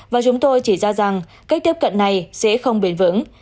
và chúng tôi chỉ ra rằng cách tiếp cận này sẽ không bền vững